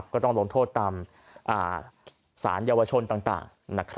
ก็ต้องลงโทษตามสารเยาวชนต่าง